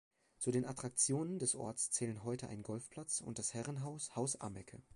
Zu den Attraktionen des Orts zählen heute ein Golfplatz und das Herrenhaus Haus Amecke.